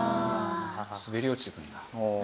滑り落ちてくるんだ。